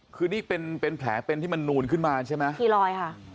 คือนี่เป็นเป็นแผลเป็นที่มันนูนขึ้นมาใช่ไหมคีรอยค่ะ